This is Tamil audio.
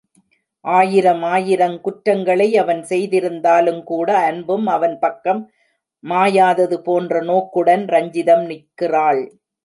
ஆயிரமாயீரங் குற்றங்களை அவன் செய்திருந்தாலுங்கூட, அன்பும் அவன் பக்கம் மாயாதது போன்ற நோக்குடன் ரஞ்சிதம் நிற்கிறாள்.